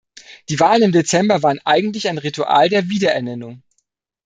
Die Wahlen im Dezember waren eigentlich ein Ritual der Wiederernennung.